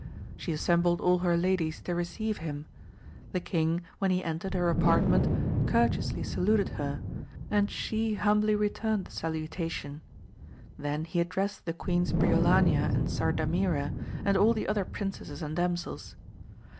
She assembled all her ladies to receive him 'y the king when he entered her apartment courted ously saJuted her, and she humbly returned the salu tation y then he addressed the Queens Briolania and Sardamira and all the other princesses and damsels.